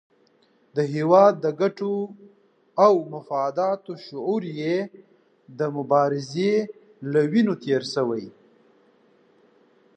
د هېواد د ګټو او مفاداتو شعور یې د مبارزې له وینو تېر شوی.